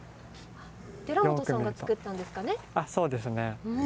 寺本さんが作ったんですかね。